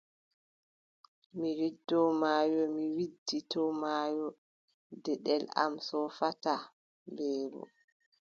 Mi widdoo maayo, mi widditoo maayo, deɗel am soofataa, mbeelu !